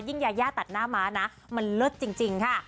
ยายาตัดหน้าม้านะมันเลิศจริงค่ะ